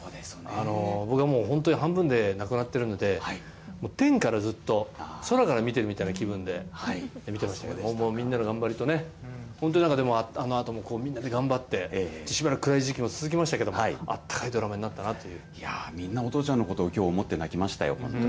僕はもう本当に半分で亡くなっているので、もう天からずっと、空から見てるみたいな気分で見てましたけど、もうみんなの頑張りとね、本当になんかあのあともみんなで頑張って、しばらく暗い時期も続きましたけど、あったかいみんな、お父ちゃんのことをきょう思って泣きましたよ。